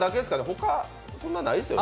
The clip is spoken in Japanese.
ほか、そんなないですよね。